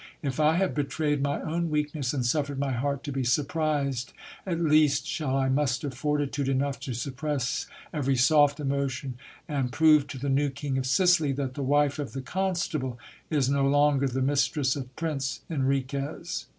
If I have betrayed my own weak ness, and suffered my heart to be surprised, at least shall I muster fortitude enough to suppress every soft emotion, and prove to the new king of Sicily, that the wife of the constable is no longer the mistress of Prince Enriquez.